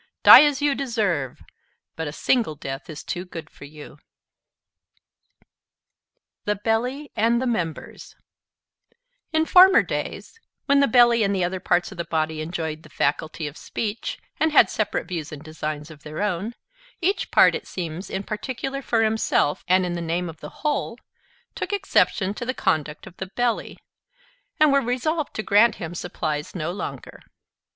Die as you deserve; but a single death is too good for you." THE BELLY AND THE MEMBERS In former days, when the Belly and the other parts of the body enjoyed the faculty of speech, and had separate views and designs of their own, each part, it seems, in particular for himself, and in the name of the whole, took exception to the conduct of the Belly, and were resolved to grant him supplies no longer.